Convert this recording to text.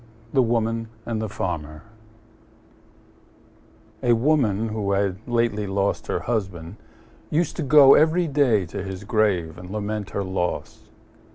THE WOMAN AND THE FARMER A Woman, who had lately lost her husband, used to go every day to his grave and lament her loss.